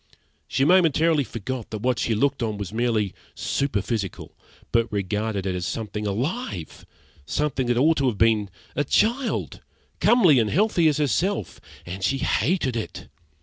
She momentarily forgot that what she looked on was merely superphysical, but regarded it as something alive, something that ought to have been a child, comely and healthy as herself and she hated it.